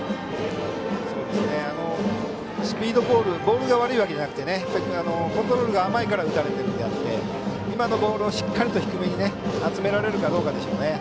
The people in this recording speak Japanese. ボールが悪いわけじゃなくてコントロールが甘いから打たれているのであって今のボールをしっかりと低めに集められるかどうかでしょうね。